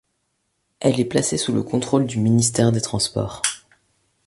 Elle est placée sous le contrôle du ministère des transports.